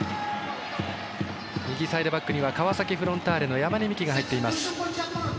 右サイドバックには川崎フロンターレの山根視来が入っています。